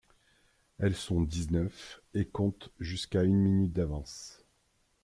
Elles sont dix-neuf et compte jusqu'à une minute d'avance.